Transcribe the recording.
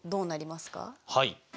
はい。